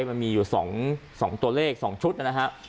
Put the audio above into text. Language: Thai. มันมีอยู่๒ตัวเลข๒ชุดนะฮะ